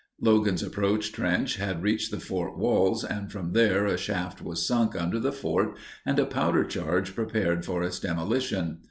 Logan's approach trench had reached the fort walls and from here a shaft was sunk under the fort and a powder charge prepared for its demolition.